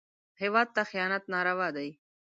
هېواد ته خیانت ناروا عمل دی